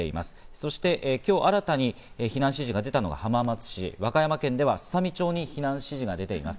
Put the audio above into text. そして今日新たに避難指示が出たのは浜松市、和歌山県ではすさみ町に避難指示が出ています。